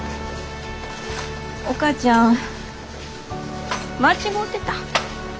お母ちゃん間違うてた。